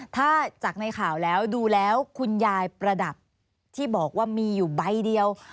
ถ้าจากในข่าวแล้วดูแล้วคุณยายประดับที่บอกว่ามีอยู่ใบเดียว